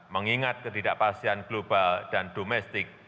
mengingat ketidakpastian global dan domestik